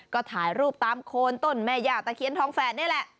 ก็ถ่ายรูปตามโคนต้นแม่ย่าตะเคียนทองแฝดนี่แหละ